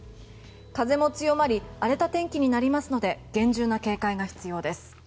風も強まり荒れた天気になりますので厳重な警戒が必要です。